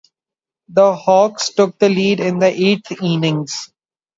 The Hawks took the lead in the eighth inning.